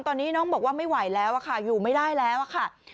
ตอนนี้น้องบอกว่าไม่ไหวแล้วค่ะอยู่ไม่ได้แล้วค่ะ